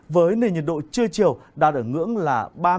với nền nhiệt độ trưa chiều đạt ở ngưỡng là